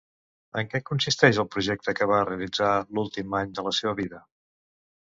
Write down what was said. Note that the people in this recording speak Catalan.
En què consisteix el projecte que va realitzar l'últim any de la seva vida?